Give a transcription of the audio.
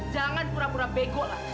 jangan pura pura bego lah